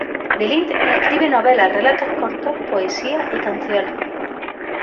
De Lint escribe novelas, relatos cortos, poesía y canciones.